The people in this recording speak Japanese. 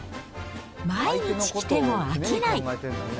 毎日来ても飽きない。